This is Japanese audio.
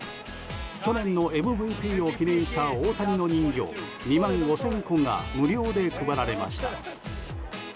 去年のＭＶＰを記念した大谷の人形２万５０００個が無料で配られました。